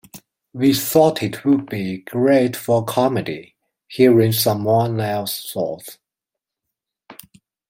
We thought it would be great for comedy, hearing someone else's thoughts.